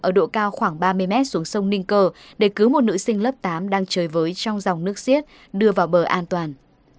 ở độ cao khoảng ba mươi m xuống sông ninh cờ để cứu một nữ sinh lớp tám đang chơi với trong dòng nước xiết đưa vào bờ an toàn